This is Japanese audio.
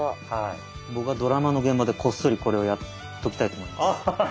僕はドラマの現場でこっそりこれをやっときたいと思います。